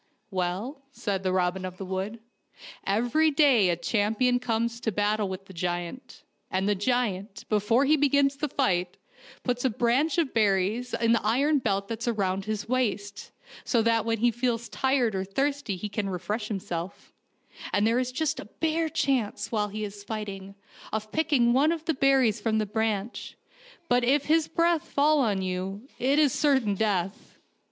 " ^SA'ell," said Robin of the Wood, " every day a champion comes to battle with the giant, and the giant, before he begins the fight, puts a branch of berries in the iron belt that's around his waist, so that when he feels tired or thirsty he can refresh himself, and there is just a bare chance, while he is fighting, of picking one of the berries from the branch ; but if his breath fall on you it is certain death."